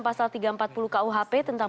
pasal tiga ratus empat puluh kuhp tentang